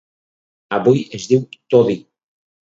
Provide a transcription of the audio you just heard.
Avui es diu Todi.